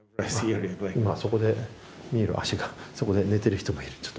あそこに見える、足が、そこで寝ている人がいる。